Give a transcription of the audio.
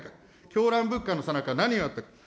狂乱物価のさなか、何をやったか。